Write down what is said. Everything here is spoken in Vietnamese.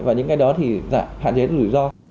và những cái đó thì hạn chế rủi ro